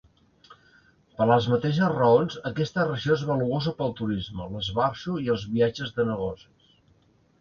Per les mateixes raons, aquesta regió és valuosa pel turisme, l'esbarjo i els viatges de negocis.